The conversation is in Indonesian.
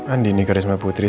andi nih karisma putri